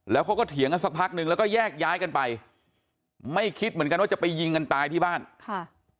แล้วเขาก็เถียงกันสักพักนึงแล้วก็แยกย้ายกันไปไม่คิดเหมือนกันว่าจะไปยิงกันตายที่บ้านค่ะ